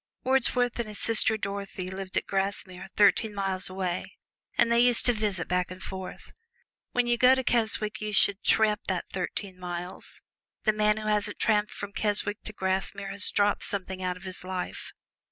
Wordsworth and his sister Dorothy lived at Grasmere, thirteen miles away, and they used to visit back and forth. When you go to Keswick you should tramp that thirteen miles the man who hasn't tramped from Keswick to Grasmere has dropped something out of his life.